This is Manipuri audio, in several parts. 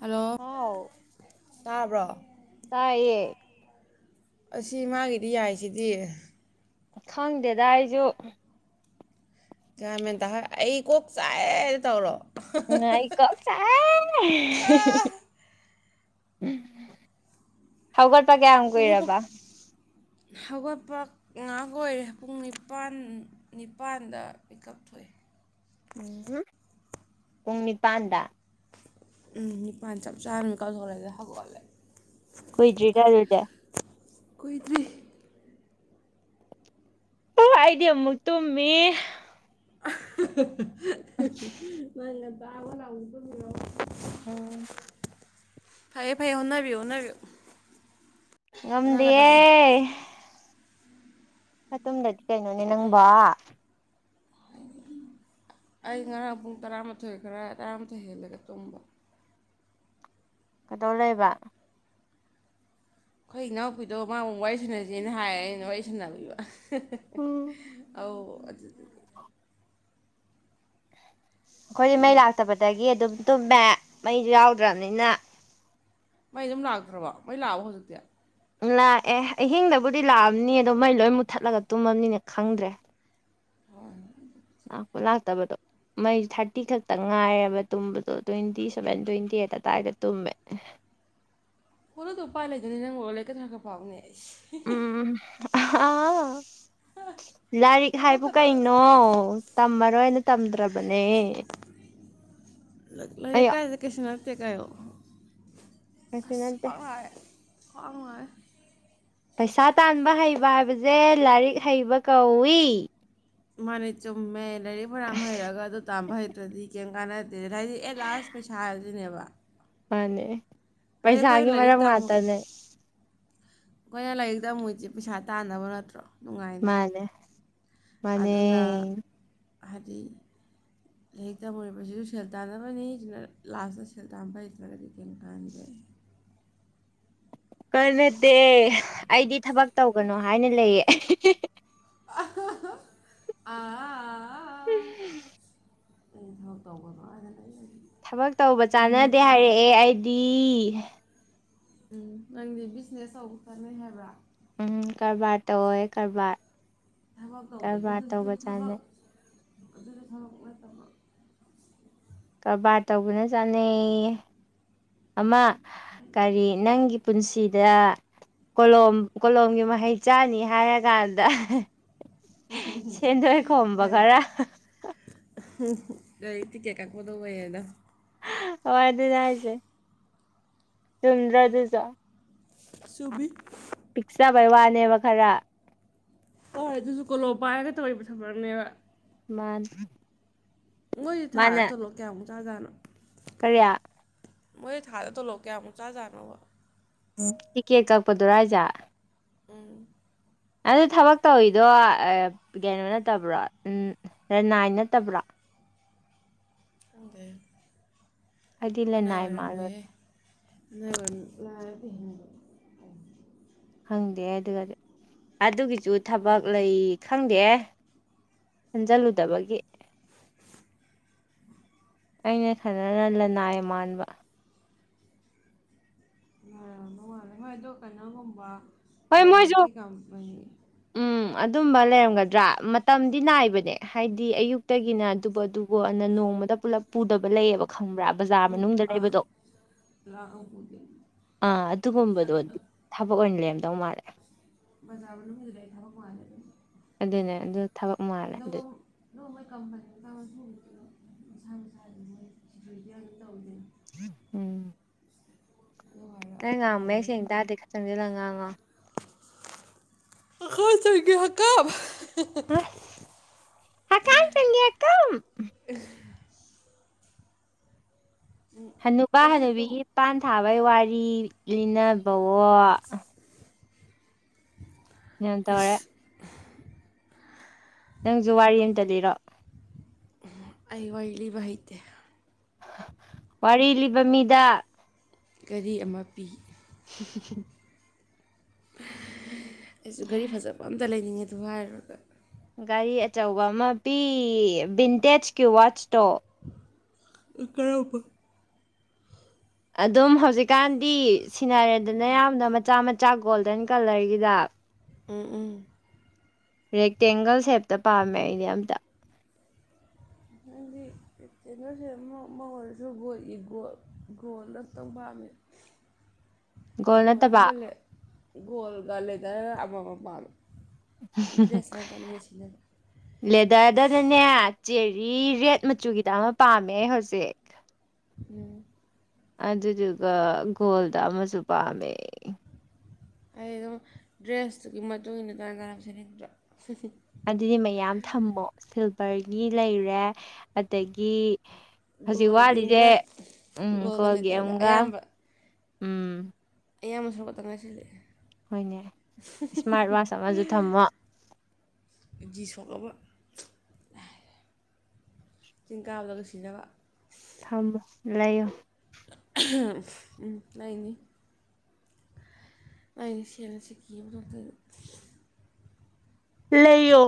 ꯍꯜꯂꯣ ꯍꯥꯎ ꯇꯥꯕ꯭ꯔꯣ ꯇꯥꯏꯌꯦ ꯑꯁꯤ ꯃꯥꯒꯤꯗꯤ ꯌꯥꯏꯁꯤꯗꯤ ꯈꯪꯗꯦꯗ ꯑꯩꯖꯨ ꯒ꯭ꯌꯥꯟ ꯃꯦꯟ ꯇꯍꯥ ꯑꯩ ꯀꯣꯛ ꯆꯥꯛꯑꯦꯗꯣ ꯇꯧꯔꯣ ꯎꯝ ꯑꯩ ꯀꯣꯛ ꯆꯥꯛꯑꯦ ꯍꯧꯒꯠꯄ ꯀꯌꯥꯝ ꯍꯧꯒꯠꯄ ꯀꯨꯏꯔꯕ ꯍꯧꯒꯠꯄ ꯉꯥꯏꯍꯥꯛ ꯑꯣꯏꯔꯦ ꯄꯨꯡ ꯅꯤꯄꯥꯟ ꯅꯤꯄꯥꯟꯗ ꯃꯤꯀꯞ ꯊꯣꯛꯑꯦ ꯎꯝ ꯄꯨꯡ ꯅꯤꯄꯥꯟꯗ ꯎꯝ ꯅꯤꯄꯥꯟ ꯆꯞ ꯆꯥꯅ ꯃꯤꯀꯞ ꯊꯣꯛꯂ‌ꯦ ꯗꯨꯗꯩ ꯍꯧꯒꯠꯂꯦ ꯀꯨꯏꯗ꯭ꯔꯤꯗ ꯑꯗꯨꯗ‌ꯦ ꯀꯨꯏꯗ꯭ꯔꯤ ꯑꯥ ꯑꯩꯗꯤ ꯑꯃꯨꯛ ꯇꯨꯝꯃꯤ ꯅꯪ ꯉꯟꯇ ꯍꯧꯒꯠꯂ ꯑꯃꯨꯛ ꯇꯨꯝꯃꯤ [unintelligible] ꯎꯝ ꯐꯩꯌꯦ ꯐꯩꯌꯦ ꯍꯣꯠꯅꯕꯤꯌꯨ ꯍꯣꯠꯅꯕꯤꯌꯨ ꯍꯣꯠꯅꯒꯗꯕꯅꯦ ꯉꯝꯗꯤꯌꯦ ꯈꯔ ꯇꯨꯝꯗ꯭ꯔꯗꯤ ꯀꯩꯅꯣꯅꯦ ꯅꯪꯕꯣ ꯑꯩ ꯉꯔꯥꯡ ꯄꯨꯡ ꯇꯔꯥꯃꯥꯊꯣꯏ ꯈꯔ ꯇꯔꯥꯃꯊꯣꯏ ꯍꯦꯜꯂꯒ ꯇꯨꯝꯕ ꯀꯗꯧ ꯂꯩꯕ ꯈꯣꯏ ꯏꯅꯥꯎꯄꯤꯗꯣ ꯃꯥ ꯃꯨꯛ ꯋꯥꯔꯤ ꯁꯥꯟꯅꯖ‌ꯦꯅ ꯍꯥꯏ ꯑꯩꯅ ꯋꯥꯔꯤ ꯁꯥꯅꯕꯤꯕ ꯎꯝ ꯑꯧ ꯑꯗꯨ ꯑꯈꯣꯏꯗꯤ ꯃꯩ ꯑꯗꯨꯝ ꯂꯥꯛꯇꯕꯗꯒꯤ ꯑꯗꯨꯝ ꯇꯨꯝꯃꯦ ꯃꯩꯁꯨ ꯌꯥꯎꯗ꯭ꯔꯝꯅꯤꯅ ꯃꯩ ꯑꯗꯨꯝ ꯂꯥꯛꯇ꯭ꯔꯕꯣ ꯃꯩ ꯂꯥꯛꯑꯕꯣ ꯍꯧꯖꯤꯛꯇꯤ ꯂꯥꯛꯑꯦ ꯑꯍꯤꯡꯗꯕꯨꯗꯤ ꯂꯥꯛꯑꯝꯅꯤ ꯑꯗꯣ ꯃꯩ ꯂꯣꯏ ꯃꯨꯠꯊꯠꯂꯒ ꯇꯨꯝꯃꯝꯅꯤꯅꯦ ꯈꯪꯗ꯭ꯔꯦ ꯍꯣꯏ ꯂꯥꯛꯄ ꯂꯥꯛꯇꯕꯗꯣ ꯃꯩ ꯊꯥꯔꯇꯤ ꯈꯛꯇ ꯉꯥꯏꯔꯦꯕ ꯇꯨꯝꯕꯗꯣ ꯇ꯭ꯋꯦꯟꯇꯤ ꯁꯚꯦꯟ ꯇ꯭ꯋꯦꯟꯇꯤ ꯑꯩꯠ ꯑꯗꯥꯏꯗ ꯇꯨꯝꯃꯦ ꯐ‌ꯣꯟꯗꯣ ꯗꯨꯝ ꯄꯥꯏ ꯂꯩꯗꯨꯏꯅꯤꯟ ꯅꯪ ꯂꯩꯔꯤꯛꯀ ꯈꯔ ꯈꯔ ꯄꯥꯎꯅꯦ ꯑꯩꯁ ꯎꯝ ꯑꯥꯍ ꯂꯥꯏꯔꯤꯛ ꯍꯥꯏꯕꯨ ꯊꯕꯛꯀꯗꯣ ꯀꯩꯅꯣ ꯇꯝꯃꯔꯣꯏꯅ ꯇꯝꯗ꯭ꯔꯕꯅꯦ ꯂꯩ ꯑꯩ ꯂꯩꯔꯤꯛ ꯀꯥꯏꯗꯤ ꯀꯩꯁꯨ ꯅꯠꯇꯦ ꯀꯩꯅ‌ꯣ ꯀꯩꯁꯨ ꯑꯁ ꯅꯠꯇꯦ ꯈ꯭ꯋꯥꯡ ꯅꯥꯏ ꯈ꯭ꯋꯥꯡ [unintelligible] ꯉꯥꯏ ꯄꯩꯁꯥ ꯇꯥꯟꯕ ꯍꯩꯕ ꯍꯥꯏꯕꯖ‌ꯦ ꯂꯥꯏꯔꯤꯛ ꯍꯩꯕ ꯀꯧꯏ ꯃꯥꯅꯦ ꯆꯨꯝꯃꯦ ꯂꯥꯏꯔꯤꯛ ꯐꯅꯌꯥꯝ ꯍꯩꯔꯒ ꯑꯗꯨ ꯇꯥꯝꯕ ꯍꯩꯇ꯭ꯔꯗꯤ ꯀ‌ꯦꯝ ꯀꯥꯟꯅꯗꯦꯗꯟ ꯍꯥꯏꯗꯤ ꯑꯦꯠ ꯂꯥꯁ ꯄꯩꯁꯥ ꯍꯥꯏꯁꯤꯅꯦꯕ ꯃꯥꯅ‌ꯦ ꯄꯩꯁꯥꯒꯤ ꯂꯥꯏꯔꯤꯛ ꯃꯔꯝ ꯉꯥꯛꯇꯅꯦ ꯈꯣꯏꯅ ꯂꯥꯏꯔꯤꯛ ꯇꯝꯃꯨꯏꯆ‌ꯦ ꯄꯩꯁꯥ ꯇꯥꯟꯅꯕ ꯅꯠꯇ꯭ꯔꯣ ꯅꯨꯡꯉꯥꯏꯅ ꯃꯥꯅꯦ ꯃꯥꯅꯦ ꯑꯗꯨꯅ ꯍꯥꯏꯗꯤ ꯍ ꯂꯥꯏꯔꯤꯛ ꯇꯝꯃꯨꯔꯤꯕꯁꯤꯁꯨ ꯁꯦꯜ ꯇꯥꯟꯅꯕꯅꯤꯁꯤꯅ ꯂꯥꯁꯇ ꯁꯦꯜ ꯇꯥꯟꯕ ꯍꯩꯇ꯭ꯔꯒꯗꯤ ꯀꯔꯤꯝ ꯀꯥꯟꯗꯦ ꯀꯩꯝ ꯅꯠꯇꯦ ꯑꯩꯗꯤ ꯊꯕꯛ ꯇꯧꯒꯅꯨ ꯍꯥꯏꯅ ꯂꯩꯌꯦ [unintelligible] ꯎꯝ ꯑꯩ ꯊꯕꯛ ꯇꯧꯕꯗ ꯍꯥꯏꯗꯅ ꯑꯩ ꯊꯕꯛ ꯇꯧꯕ ꯆꯥꯟꯅꯗꯦ ꯍꯥꯏꯔꯛꯑꯦ ꯑꯩꯗꯤ ꯎꯝ ꯅꯪꯗꯤ ꯕꯤꯖꯤꯅꯦꯁ ꯇ ꯆꯥꯟꯅꯩ ꯍꯥꯏꯕ꯭ꯔꯥ ꯎꯝ ꯀꯔꯕꯥꯔ ꯇꯧꯋꯦ ꯀꯔꯕꯥꯔ ꯊꯕꯛ ꯀꯔꯕꯥꯔ ꯇꯧꯕꯩꯗꯨꯗꯁꯨ ꯇꯧꯕ ꯊꯕꯛ ꯆꯥꯅꯩ ꯑꯗꯨꯁꯨ ꯊꯕꯛ ꯅꯠꯇꯕ ꯀꯔꯕꯥꯔ ꯇꯧꯕꯅ ꯆꯥꯅꯩ ꯌꯦ ꯑꯃ ꯀꯔꯤ ꯅꯪꯒꯤ ꯄꯨꯟꯁꯤꯗ ꯀꯣꯂꯣꯝ ꯀꯣꯂꯣꯝꯒꯤ ꯃꯍꯩ ꯆꯅꯤ ꯍꯥꯏꯔꯀꯥꯟꯗ ꯁꯦꯗꯣ ꯈꯣꯝꯕ ꯈꯔ ꯇꯤꯛꯀꯦ ꯀꯛꯄꯗ ꯑꯣꯏꯌꯦꯗ ꯍꯣꯏ ꯑꯗꯨꯅꯦ ꯍꯥꯏꯁꯦ ꯆꯨꯝꯗ꯭ꯔ ꯑꯗꯨꯖꯨ ꯆꯨꯃꯤ ꯄꯤꯛꯆꯕꯩ ꯋꯥꯅꯦꯕ ꯈꯔ ꯍꯣꯏ ꯑꯗꯨꯁꯨ ꯀꯣꯂꯣꯞ ꯄꯥꯏꯔꯒ ꯇꯧꯔꯤꯕ ꯊꯕꯛꯅꯦꯕ ꯃꯥꯥꯟ ꯃꯣꯏꯗꯤ ꯊꯥ ꯇꯣꯂꯣ ꯀꯌꯥꯃꯨꯛ ꯆꯥꯖꯥꯠꯅꯣ ꯀꯔꯤꯌꯥ ꯃꯣꯏꯦ ꯊꯥꯗ ꯊꯣꯛꯣꯂꯣꯑꯣ ꯀꯌꯥꯃꯨꯛ ꯆꯥꯖꯥꯠꯅꯣꯕ ꯇꯤꯛꯀꯦꯠ ꯀꯛꯄꯗꯨꯔꯥ ꯍꯥꯏꯖꯦ ꯎꯝ ꯑꯗꯨ ꯊꯕꯛ ꯇꯧꯋꯗꯣ ꯀꯩꯅꯣ ꯅꯠꯇꯕ꯭ꯔꯣ ꯔꯅꯥꯏ ꯅꯠꯇꯕ꯭ꯔꯣ ꯈꯪꯗꯦ ꯍꯥꯏꯗꯤ ꯑꯅꯥꯏ ꯂꯅꯥꯏ ꯃꯥꯜꯂꯨꯔꯦ ꯑꯣꯏꯔꯝꯃꯨꯍꯦ [unintelligible] ꯈꯪꯗꯦ ꯑꯗꯨꯒ ꯑꯗꯨꯒꯤꯁꯨ ꯊꯕꯛ ꯂꯩ ꯈꯪꯗꯦꯍꯦ ꯈꯟꯖꯜꯂꯨꯗꯕꯒꯤ ꯑꯩꯅ ꯈꯟꯅꯅ ꯂꯅꯥꯏ ꯃꯥꯟꯕ ꯃꯥꯜꯂꯦ ꯃꯣꯏꯗꯣ ꯀꯩꯅꯣꯒꯨꯝꯕ ꯍꯣꯏ ꯃꯣꯏꯁꯨ ꯄ꯭ꯔꯥꯏꯚꯦꯠꯀꯤ ꯀꯝꯄꯅꯤ ꯎꯝ ꯑꯗꯨꯝꯕ ꯂꯩꯔꯝꯒꯗ꯭ꯔꯥ ꯃꯇꯝꯗꯤ ꯅꯥꯏꯕꯅꯦ ꯍꯥꯏꯗꯤ ꯑꯌꯨꯛꯇꯒꯤꯅ ꯑꯗꯨꯕꯨ ꯑꯗꯨꯕꯨ ꯑꯅ ꯅꯣꯡꯃꯗ ꯄꯨꯂꯞ ꯄꯨꯗꯕ ꯂꯩꯌꯦꯕ ꯈꯪꯕ꯭ꯔꯥ ꯕꯖꯥꯔ ꯄꯨ ꯃꯅꯨꯡꯗ ꯑꯥ ꯂꯩꯕꯗꯣ ꯂꯍ ꯄꯨꯗꯣꯏꯅꯤ ꯑꯥ ꯑꯗꯨꯒꯨꯝꯕꯗꯣ ꯊꯕꯛ ꯑꯣꯏꯅ ꯂꯩꯔꯝꯗꯧ ꯃꯥꯜꯂꯦ ꯕꯖꯥꯔ ꯃꯅꯨꯡꯒꯤꯗꯨꯗꯤ ꯑꯩ ꯊꯕꯛ ꯃꯥꯂꯦ ꯑꯗꯨꯝ ꯑꯗꯨꯅꯦ ꯑꯗꯨ ꯊꯕꯛ ꯃꯥꯜꯂꯦ ꯑꯗꯨ ꯑꯗꯨ ꯃꯣꯏ ꯀꯝꯄꯅꯤ ꯉꯁꯤꯗꯤ ꯃꯁꯥ ꯃꯁꯥꯒꯤ ꯃꯣꯏ ꯁꯤꯀ꯭ꯔꯨꯇꯤ ꯑꯗꯨꯝ ꯇꯧꯖꯩ ꯎꯝ ꯑꯗꯨ ꯍꯥꯏꯔ ꯅꯪ ꯉꯥꯡꯕ ꯃꯥꯜꯂꯦ ꯃꯌꯦꯛ ꯁꯦꯡꯅ ꯇꯗꯦ ꯈꯔ ꯆꯪꯁꯤꯜꯂꯒ ꯉꯥꯡꯉꯣ ꯍꯀꯥꯝ ꯆꯟꯒꯦ ꯍꯀꯥꯝ ꯑꯏ ꯍꯀꯥꯝ ꯍꯅꯨꯕꯥ ꯉꯁꯤꯗꯤ ꯇꯨꯝ ꯍꯅꯨꯕꯤꯒꯤ ꯄꯥꯟ ꯊꯥꯕꯩ ꯋꯥꯔꯤ ꯂꯤꯅꯕꯑꯣ ꯅꯨꯡ ꯇꯧꯔꯦ ꯏꯁ ꯅꯪꯖꯨ ꯋꯥꯔꯤ ꯑꯝꯇ ꯂꯤꯔꯣ ꯎꯝꯍꯝ ꯑꯩ ꯋꯥꯔꯤ ꯂꯤꯕ ꯍꯩꯇꯦ ꯋꯥꯔꯤ ꯂꯤꯕ ꯃꯤꯗꯥ ꯒꯔꯤ ꯑꯃ ꯄꯤ ꯑꯩꯖꯨ ꯒꯔꯤ ꯐꯖꯕ ꯑꯝꯇꯥ ꯂꯩꯅꯤꯡꯉꯦ ꯗꯨ ꯍꯥꯏꯔꯨꯔꯥꯒ ꯒꯥꯔꯤ ꯑꯆꯧꯕ ꯑꯃ ꯄꯤ ꯚꯤꯟꯇꯦꯖꯀꯤ ꯋꯥꯠꯆꯇꯣ ꯑꯥ ꯀꯔꯝꯕ ꯑꯗꯨꯝ ꯍꯧꯖꯤꯛꯀꯥꯟꯗꯤ ꯁꯤꯟꯅꯔꯦꯗꯅ ꯌꯥꯝꯅ ꯃꯆꯥ ꯃꯆꯥ ꯒꯣꯜꯗꯟ ꯀ꯭ꯂꯔꯒꯤꯗꯥ ꯎꯝ ꯎꯝ ꯔꯦꯛꯇꯦꯡꯒꯜ ꯁꯦꯞꯇꯥ ꯄꯥꯝꯃꯦ ꯑꯩꯗꯤ ꯑꯝꯇꯥ ꯅꯪꯗꯤ ꯔꯦꯛꯇꯦꯡꯒꯜ ꯁꯦꯞ ꯑꯃ ꯑꯃ ꯑꯣꯏꯔꯁꯨ ꯒꯣꯜ ꯏꯒꯣꯜ ꯒꯣꯜ ꯑꯝꯇꯪ ꯄꯥꯝꯃꯦ [inaudible] ꯒꯣꯜ ꯑꯝꯒ ꯂꯦ ꯒꯣꯜꯒꯥ ꯂꯦꯗꯔꯒꯥ ꯑꯃꯃꯥꯝ ꯄꯥꯝꯃꯦ ꯗ꯭ꯔꯦꯁ ꯍꯥꯏꯔ ꯀꯥꯟꯗ ꯑꯃ [unintelligible] ꯁꯤꯖꯤꯟꯅꯕ ꯂꯦꯗꯔꯗꯥꯅꯅꯦ ꯆꯦꯔꯤ ꯔꯦꯠ ꯃꯆꯨꯒꯤꯗꯥ ꯑꯃ ꯄꯥꯝꯃꯦ ꯍꯧꯖꯤꯛ ꯎꯝ ꯑꯗꯨꯗꯨꯒꯥ ꯒꯣꯜꯗ ꯑꯃꯁꯨ ꯄꯥꯝꯃꯦ ꯑꯩ ꯑꯗꯨꯝ ꯗ꯭ꯔꯦꯁꯇꯨꯒꯤ ꯃꯇꯨꯡ ꯏꯟꯅ ꯆꯥꯟꯅ ꯆꯥꯟꯅꯕ ꯁꯦꯠꯅꯤꯡꯗ꯭ꯔꯣ ꯑꯗꯨꯗꯤ ꯃꯌꯥꯝ ꯊꯝꯃꯣ ꯁꯤꯜꯚꯔꯒꯤ ꯂꯩꯔꯦ ꯑꯗꯒꯤ ꯍꯧꯖꯤꯛ ꯋꯥꯠꯂꯤꯖꯦ ꯒꯣꯜꯒꯤꯒ ꯎꯝ ꯒꯣꯜꯒ ꯀꯣꯜꯒꯤ ꯂꯦꯇꯔꯒ ꯑꯝꯒꯥ ꯑꯌꯥꯝꯕ ꯎꯝ ꯑꯌꯥꯝꯕ ꯁꯔꯨꯛ ꯈꯇꯥ ꯉꯥꯏꯁꯤꯜꯂꯛꯑꯦ ꯍꯣꯏꯅꯦ ꯏꯁꯃꯥꯔꯠ ꯋꯥꯆ ꯑꯃꯁꯨ ꯊꯝꯃꯣ ꯖꯤ ꯁꯣꯛꯂꯕ ꯆꯤꯡ ꯀꯥꯕꯗꯒꯥ ꯁꯤꯅꯕ ꯊꯝꯃꯣ ꯂꯩꯌꯣ [unintelligible] ꯎꯝ ꯂꯩꯅꯤ ꯑꯩꯅ ꯁꯦꯜꯅ ꯁꯤꯀꯤ ꯑꯝ ꯊꯣꯛꯇꯥꯅ ꯂꯩꯌꯣ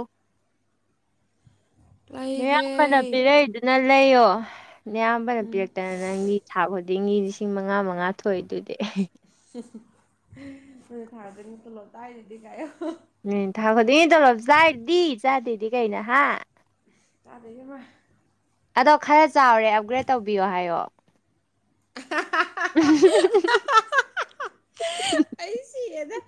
ꯅꯌꯥꯝꯕꯅ ꯂꯩꯒꯦ ꯄꯤꯔꯛꯏꯗꯨꯅ ꯂꯩꯌꯣ ꯅꯌꯥꯝꯕꯅ ꯄꯤꯔꯛꯇꯥꯅ ꯅꯪꯒꯤ ꯊꯥ ꯈꯨꯗꯤꯡꯒꯤ ꯂꯤꯁꯤꯡ ꯃꯉꯥ ꯃꯉꯥ ꯊꯣꯛꯏꯗꯨꯗꯤ ꯅꯪꯗꯤ ꯊꯥ ꯈꯨꯗꯤꯡꯒꯤ ꯇꯣꯂꯣꯞ ꯆꯥꯏꯗꯨꯗꯤ ꯀꯥꯏ ꯍꯥꯏꯌꯣ ꯎꯝ ꯊꯥ ꯈꯨꯗꯤꯡꯒꯤ ꯇꯣꯂꯣꯞ ꯆꯥꯏꯗꯨꯗꯤ ꯆꯥꯗꯦꯗꯤ ꯀꯩꯩꯅꯣ ꯍꯥꯥ ꯆꯥꯗꯦ ꯏꯕꯦꯝꯃꯥ ꯑꯗꯣ ꯈꯔ ꯆꯥꯎꯔꯦ ꯑꯞꯒ꯭ꯔꯦꯗ ꯇꯧꯕꯤꯌꯣ ꯍꯥꯏꯌꯣ ꯑꯩ ꯁꯤꯔꯦꯗꯥ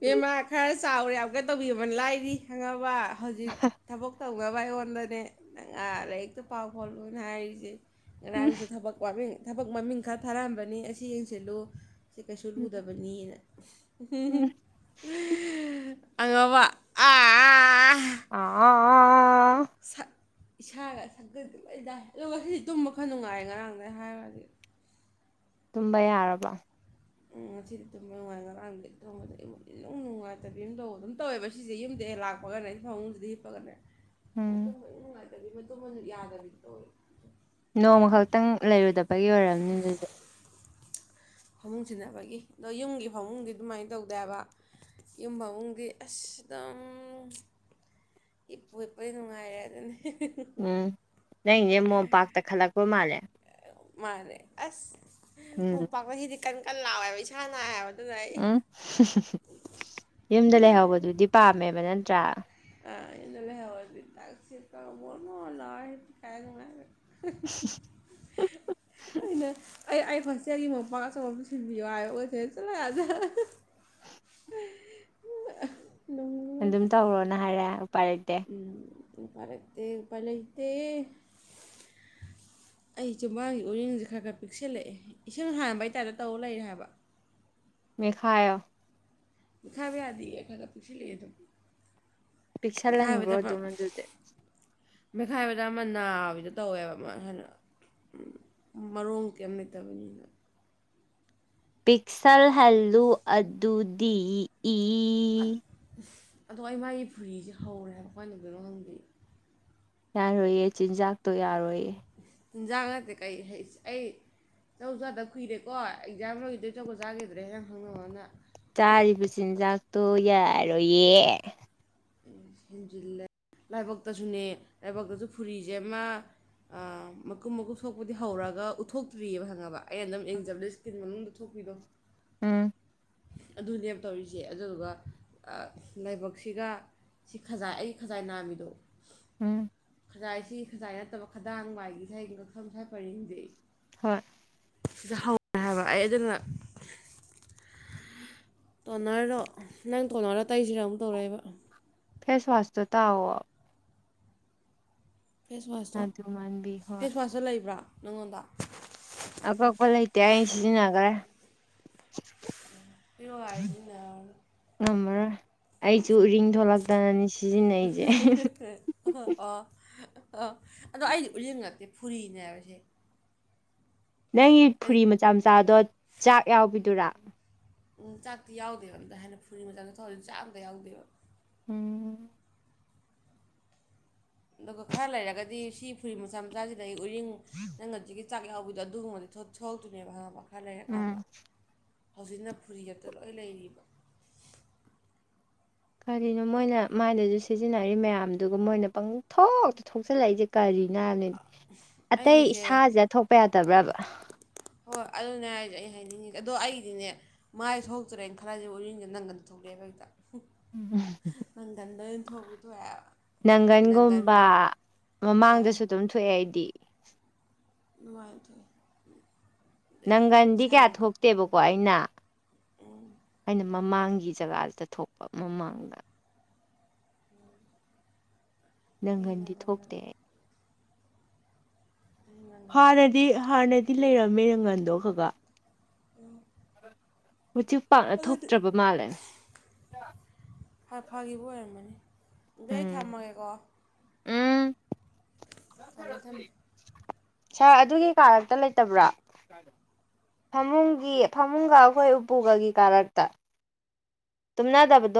ꯕꯦꯝꯃꯥ ꯈꯔ ꯆꯥꯎꯔꯦ ꯑꯞꯒ꯭ꯔꯦꯗ ꯇꯧꯕꯤꯕ ꯂꯥꯏꯔꯤ ꯈꯪꯉꯕ ꯍꯧꯖꯤꯛ ꯊꯕꯛ ꯇꯧꯅꯕ ꯑꯩꯉꯣꯟꯗꯅꯦ ꯅꯪ ꯑꯥ ꯂꯥꯏꯔꯤꯛꯇꯥ ꯄꯥꯎ ꯈꯣꯠꯂꯣꯅ ꯍꯥꯏꯔꯤꯖꯦ ꯉꯔꯥꯡꯖꯨ ꯊꯕꯛ ꯋꯥꯃꯤꯡ ꯊꯕꯛ ꯃꯃꯤꯡ ꯈꯔ ꯊꯥꯔꯛꯑꯝꯕꯅꯤ ꯑꯁꯤ ꯌꯦꯡꯁꯤꯜꯂꯨ ꯁꯤ ꯀꯩꯁꯨ ꯂꯨꯗꯕꯅꯤꯅ ꯑꯉꯥꯎꯕ [unintelligible] ꯁꯛ ꯏꯁꯥꯒꯥ ꯁꯛꯒꯥꯗꯤ ꯂꯣꯏ ꯗꯥꯏ ꯑꯗꯨ ꯉꯁꯤꯗꯤ ꯇꯨꯝꯕ ꯈꯔ ꯅꯨꯡꯉꯥꯏ ꯉꯔꯥꯡꯗꯩ ꯍꯥꯏꯔꯒꯥꯗꯤ ꯇꯨꯝꯕ ꯌꯥꯔꯕꯣ ꯎꯝ ꯉꯁꯤꯗꯤ ꯇꯨꯝꯕ ꯅꯨꯡꯉꯥꯏ ꯉꯔꯥꯡꯗꯤ ꯇꯨꯝꯕꯗꯤ ꯏ ꯏꯅꯨꯡ ꯅꯨꯡꯉꯥꯏꯇꯕꯤ ꯑꯃ ꯇꯧꯕ ꯑꯗꯨꯝ ꯇꯧꯋꯦꯕ ꯁꯤꯁꯦ ꯌꯨꯝꯗ ꯍꯦꯛ ꯂꯥꯛ [unintelligible] ꯐꯥꯃꯨꯡꯖꯤꯗꯥ ꯍꯤꯞꯄꯒꯥꯅꯦ ꯎꯝ ꯏꯅꯨꯡ ꯅꯨꯡꯉꯥꯏꯇꯕꯤ ꯃꯥ ꯇꯨꯝꯃꯥꯖꯨ ꯌꯥꯗꯕꯤꯗꯣ ꯇꯧꯏ ꯅꯣꯡꯃ ꯈꯛꯇꯪ ꯂꯩꯔꯨꯗꯥꯕꯒꯤ ꯑꯣꯏꯔꯝꯅꯤ ꯑꯗꯨꯗꯤ ꯐꯃꯨꯡ ꯁꯤꯟꯅꯕꯒꯤ ꯑꯗꯣ ꯌꯨꯝꯒꯤ ꯐꯃꯨꯡꯗꯤ ꯑꯗꯨꯃꯥꯏꯟ ꯇꯧꯗꯦ ꯍꯥꯏꯕ ꯫ ꯌꯨꯝ ꯕꯕꯨꯡꯒꯤ ꯑꯁꯗꯨꯝ ꯍꯤꯞꯄꯨ ꯍꯤꯞꯄꯗꯤ ꯅꯨꯡꯉꯥꯏꯔꯦ ꯑꯗꯨꯅꯤ꯫ ꯎꯝ ꯅꯪꯒꯤꯖꯦ ꯃꯣꯝꯄꯥꯛꯇ ꯈꯜꯂꯛꯄ ꯃꯥꯜꯂꯦ ꯃꯥꯅꯦ ꯑꯁ ꯎꯝ ꯃꯨꯝꯄꯥꯥꯛ ꯀꯁꯤꯗꯤ ꯀꯟ ꯀꯟ ꯂꯥꯎꯋꯦꯕ ꯏꯁꯥ ꯅꯥꯏ ꯍꯥꯏꯕ ꯑꯗꯨꯅ ꯑꯩ ꯎꯝ ꯌꯨꯝꯗ ꯂꯩꯍꯧꯕꯗꯨꯗꯤ ꯄꯥꯝꯃꯦꯕ ꯅꯠꯇ꯭ꯔꯥ꯫ [unintelligible] [inaudible] ꯑꯩꯅ ꯑꯩ ꯑꯩ ꯍꯣꯁꯇꯦꯜꯒꯤ ꯃꯣꯝꯄꯥꯛ ꯑꯆꯧꯕ ꯑꯃ ꯁꯤꯟꯕꯤꯌꯣ ꯍꯥꯏꯕ ꯈꯣꯏ ꯆꯦꯅ ꯆꯠꯂꯣꯍꯣꯏ ꯑꯥꯗ ꯅꯨꯡ ꯑꯗꯨꯝ ꯇꯧꯔꯣꯅ ꯍꯥꯏꯔꯦ ꯎꯄꯥꯏ ꯂꯩꯇꯦ꯫ ꯎꯝ ꯎꯄꯥꯏ ꯂꯩꯇꯦ ꯎꯄꯥꯏ ꯂꯩꯇꯦ ꯫ ꯑꯩ ꯆꯤꯝꯕꯥꯥꯟꯒꯤ ꯎꯔꯤꯡꯁꯦ ꯈꯔ ꯈꯔ ꯄꯤꯛꯁꯤꯜꯂꯛꯑꯦ ꯏꯁꯤꯡ ꯍꯥꯟꯕꯩ ꯇꯥꯥꯏꯞꯇ ꯇꯧꯔ ꯂꯩꯔꯦ ꯍꯥꯏꯕ꯫ ꯃꯦꯠꯈꯥꯏꯌꯣ ꯫ ꯃꯦꯠꯈꯥꯏꯕ ꯌꯥꯗꯤꯌꯦ ꯈꯔ ꯈꯔ ꯄꯤꯛꯁꯤꯜꯂꯛꯑꯦ ꯑꯗꯨꯝ ꯫ ꯄꯤꯛꯁꯜꯍꯟꯒꯔꯣ ꯑꯗꯨꯝ ꯑꯗꯨꯗꯤ꯫ ꯃꯦꯠꯈꯥꯏꯕꯗ ꯑꯃ ꯅꯥꯕꯤꯗꯣ ꯇꯧꯋꯦꯕ ꯑꯃꯩ ꯁꯥꯏꯅ ꯎꯝ ꯃꯔꯣꯡ ꯀꯩꯝ ꯂꯩꯇꯕꯅꯤꯅ꯫ ꯄꯤꯛꯁꯜꯍꯜꯂꯨ ꯑꯗꯨꯗꯤ ꯏ꯫ ꯑꯗꯣ ꯑꯩ ꯃꯥꯏꯒꯤ ꯐꯨꯔꯤꯁꯦ ꯍꯧꯔꯦ ꯍꯥꯏꯕ ꯀꯃꯥꯏ ꯇꯧꯗꯣꯏꯅꯣ ꯈꯪꯗꯦ ꯫ ꯌꯥꯔꯣꯏꯌꯦ ꯆꯤꯟꯖꯥꯛꯇꯣ ꯌꯥꯔꯣꯏꯌꯦ꯫ ꯆꯤꯟꯖꯥꯛ ꯅꯠꯇꯦ ꯀꯩ ꯍꯩꯁ ꯑꯩ꯫ ꯆꯧ ꯆꯥꯗꯕ ꯀꯨꯏꯔꯦꯀꯣ ꯑꯦꯛꯖꯥꯝ ꯂꯣꯏꯒꯤꯕꯗꯩ ꯆꯥꯒꯤꯗ꯭ꯔꯦ ꯅꯪ ꯈꯪꯗꯣꯕ ꯑꯃꯅ ꯫ ꯆꯥꯔꯤꯕ ꯆꯤꯟꯖꯥꯛꯇꯣ ꯌꯥꯔꯣꯏꯌꯦ꯫ ꯏꯁ ꯍꯦꯟꯖꯤꯜꯂꯦ ꯂꯥꯏꯕꯛꯇꯖꯨꯅꯦ ꯂꯥꯏꯕꯛꯇꯖꯨ ꯐꯨꯔꯤꯖꯦ ꯑꯃ꯫ ꯑꯥ ꯃꯀꯨꯞ ꯃꯀꯨꯞ ꯊꯣꯛꯄꯗꯤ ꯍꯧꯔꯒ ꯎꯠꯊꯣꯛꯇ꯭ꯔꯤꯌꯦꯕ ꯈꯪꯉꯕ ꯑꯩꯅ ꯑꯗꯨꯝ ꯑꯦꯡꯖꯕꯗ ꯁ꯭ꯀ꯭ꯤꯟ ꯃꯅꯨꯡꯗ ꯊꯣꯛꯄꯤꯗꯣ꯫ ꯎꯝ ꯑꯗꯨꯅꯦꯕ ꯇꯧꯔꯤꯖꯦ ꯑꯗꯨꯗꯨꯒ ꯑ ꯂꯥꯏꯕꯛꯁꯤꯒ꯫ ꯁꯤ ꯈꯖꯥꯏ ꯑꯩꯒꯤ ꯈꯖꯥꯏ ꯅꯥꯝꯃꯤꯗꯣ꯫ ꯎꯝ ꯈꯖꯥꯏ ꯁꯤ ꯈꯖꯥꯏ ꯅꯠꯇꯕ ꯈꯗꯥꯡ ꯋꯥꯏꯒꯤ ꯁꯥꯏꯒꯤ ꯉꯛꯁꯝ ꯁꯥꯏ ꯄꯔꯤꯡꯖꯦ ꯫ ꯍꯣꯏ ꯁꯤꯗ ꯍꯧꯔꯦ ꯍꯥꯏꯕ ꯑꯩ ꯑꯗꯨꯅ꯫ ꯇꯣꯅꯔꯗꯣ ꯅꯪ ꯇꯣꯅꯔꯗꯣ ꯇꯩꯁꯤꯔꯥ ꯑꯃꯨꯛ ꯇꯧꯔꯛꯏꯕ ꯫ ꯐꯦꯁꯋꯥꯁꯇꯣ ꯇꯥꯎꯑꯣ ꯫ ꯐꯦꯁ ꯋꯥꯁꯇꯣ ꯑꯗꯨ ꯃꯥꯟꯕꯤ ꯍꯣꯏ ꯐꯦꯁ ꯋꯥꯁꯇꯣ ꯂꯩꯕ꯭ꯔꯥ ꯅꯪꯉꯣꯟꯗ꯫ ꯑꯀꯛꯄ ꯂꯩꯇꯦ ꯑꯩ ꯁꯤꯖꯤꯟꯅꯒꯔ꯭ꯦ ꯫ ꯄꯔꯣ ꯌꯥꯔꯦ ꯁꯤꯖꯤꯟꯅꯧꯔꯅꯨ ꯫ ꯉꯝꯃꯔꯣꯏ ꯑꯩꯖꯨ ꯎꯔꯤꯡ ꯊꯣꯛꯂꯛꯇꯅꯅꯤ ꯁꯤꯖꯤꯟꯅꯩꯖꯦ ꯑ ꯑꯗꯣ ꯑꯩꯗꯤ ꯎꯔꯤꯡ ꯅꯠꯇꯦ ꯐꯨꯔꯤꯅꯦ ꯍꯥꯏꯕꯁꯦ꯫ ꯅꯪꯒꯤ ꯐꯨꯔꯤ ꯍꯥꯏꯗꯤ ꯃꯆꯥ ꯃꯆꯥꯗꯣ ꯆꯥꯛ ꯌꯥꯎꯕꯤꯗꯨꯔꯥ꯫ ꯎꯝ ꯆꯥꯛꯇꯤ ꯌꯥꯎꯗꯦꯕ ꯑꯝꯇ ꯍꯥꯟꯅ ꯐꯨꯔꯤ ꯃꯆꯥꯗ ꯊꯋꯥꯔꯗꯤ ꯆꯥꯛ ꯑꯝꯇ ꯌꯥꯎꯗꯦꯕ꯫ ꯎꯝ ꯑꯗꯨꯒ ꯈꯔ ꯂꯩꯔꯒꯗꯤ ꯁꯤ ꯐꯨꯔꯤ ꯃꯆꯥ ꯃꯆꯥꯁꯤꯗꯩ ꯎꯔꯤꯡ ꯅꯪ ꯍꯧꯖꯤꯛꯀꯤ꯫ ꯆꯥꯛ ꯌꯥꯎꯕꯤꯗꯣ ꯑꯗꯨꯒꯨꯝꯕꯗꯤ ꯊꯣꯛ ꯊꯣꯛꯂꯛꯇꯣꯏꯅꯦꯕ ꯈꯪꯉꯕ ꯈꯔ ꯂꯩꯔꯀꯥꯟꯗ꯫ ꯎꯝ ꯍꯧꯖꯤꯛꯅ ꯐꯨꯔꯤ ꯑꯛꯇ ꯂꯣꯏ ꯂꯩꯔꯤꯕ ꯀꯔꯤꯅꯣ ꯃꯣꯏꯅ ꯃꯥꯏꯗꯨꯁꯨ ꯁꯤꯖꯤꯟꯅꯔꯤ ꯃꯌꯥꯝꯗꯨꯕꯨ ꯃꯣꯏꯅ ꯄꯪꯊꯣꯛꯇ ꯊꯣꯛꯆꯜꯂꯛꯏꯖꯦ ꯀꯔꯤꯅꯣ ꯍꯥꯏꯕꯅꯤ ꯑꯇꯩ ꯑꯩꯒꯤꯁꯦ ꯏꯁꯥꯖꯤꯗ ꯊꯣꯛꯄ ꯌꯥꯗꯕ꯭ꯔꯕ ꯍꯣ ꯑꯗꯨꯅꯦ ꯍꯥꯏꯖꯦ ꯑꯩ ꯍꯥꯏꯅꯤꯡꯏꯖꯦ ꯑꯗꯣ ꯑꯩꯗꯤꯅꯦ ꯃꯥꯏ ꯊꯣꯛꯇ꯭ꯔꯦꯅ ꯈꯟꯂꯥꯁꯦ ꯎꯔꯤꯡꯖꯦ ꯅꯪꯒꯟꯗ ꯊꯣꯛꯂꯛꯑꯦꯕ ꯍꯦꯛꯇ [unintelligible] ꯅꯪꯒꯟꯗ ꯑꯣꯏꯟ ꯊꯣꯛꯄꯤ ꯊꯣꯛꯑꯦ ꯍꯥꯏꯕꯥ ꯅꯪꯒꯟꯒꯨꯝꯕ ꯑꯥ ꯃꯃꯥꯡꯗꯁꯨ ꯑꯗꯨꯝ ꯊꯣꯛꯑꯦ ꯑꯩꯗꯤ ꯅꯨꯡꯉꯥꯏꯇꯦ ꯅꯪꯒꯟꯗꯤ ꯀꯌꯥ ꯊꯣꯛꯇꯦꯕꯀꯣ ꯑꯩꯅ ꯎꯝ ꯑꯩꯅ ꯃꯃꯥꯡꯒꯤ ꯖꯒꯥꯗꯨꯗ ꯊꯣꯛꯄ ꯃꯃꯥꯡꯗ ꯑꯩ ꯅꯪꯒꯟꯗꯤ ꯅꯪꯒꯟꯅ ꯊꯣꯛꯇꯦ ꯑꯩ [unintelligible] ꯍꯥꯟꯅꯗꯤ ꯊꯣꯛꯑꯦ ꯍꯥꯟꯅꯗꯤ ꯂꯩꯔꯝꯃꯦ ꯅꯪꯒꯟꯗꯣ ꯈꯒ ꯑꯣ ꯎꯆꯤ ꯄꯥꯛꯅ ꯊꯣꯛꯇ꯭ꯔꯕ ꯃꯥꯜꯂꯦ ꯍ ꯐꯒꯤꯕ ꯑꯣꯏꯔꯝꯃꯅꯤ ꯑꯗꯨ ꯑꯩ ꯎꯝ ꯊꯝꯃꯒꯦꯀꯣ ꯎꯝ ꯊꯝꯃꯦ ꯊꯝꯃꯦ ꯁꯥꯔ ꯑꯗꯨꯒꯤ ꯀꯥꯔꯛꯇ ꯂꯩꯇꯕ꯭ꯔꯥ ꯐꯃꯨꯡꯒꯤ ꯐꯃꯨꯡꯒ ꯑꯈꯣꯏ ꯎꯄꯨꯒꯒꯤ ꯀꯥꯔꯛꯇ ꯇꯨꯝꯅꯗꯕꯗꯣ